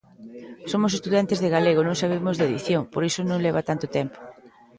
Somos estudantes de galego, non sabemos de edición, por iso nos leva tanto tempo.